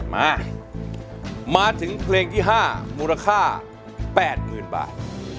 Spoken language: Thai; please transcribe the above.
มามาถึงเพลงที่๕มูลค่า๘๐๐๐บาท